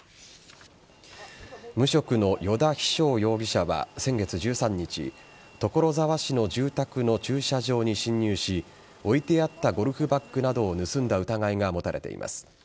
無職の依田飛翔容疑者は先月１３日所沢市の住宅の駐車場に侵入し置いてあったゴルフバッグなどを盗んだ疑いが持たれています。